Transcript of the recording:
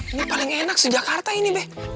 ini paling enak sejak karta ini be